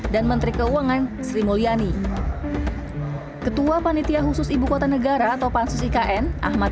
dan menteri keuangan sri mulyani ketua panitia khusus ibukota negara atau pansus ikn ahmad